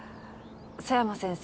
佐山先生